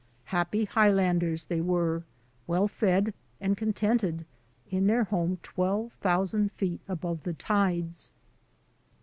Happy Highlanders they were, well fed and contented, in their home twelve thousand feet above the tides.